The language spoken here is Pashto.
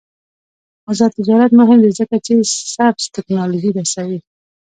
آزاد تجارت مهم دی ځکه چې سبز تکنالوژي رسوي.